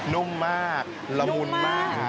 นุ่มมากรามุนมากนะไม่ราบ